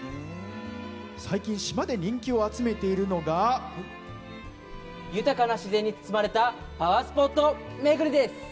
最近、島で人気を集めているのが豊かな自然に包まれたパワースポット巡りです。